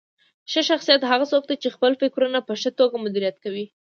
ښه شخصیت هغه څوک دی چې خپل فکرونه په ښه توګه مدیریت کوي.